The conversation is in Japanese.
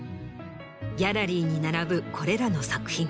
ギャラリーに並ぶこれらの作品。